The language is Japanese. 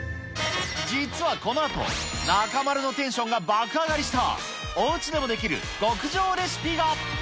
実はこのあと、中丸のテンションが爆上がりした、おうちでもできる極上レシピが。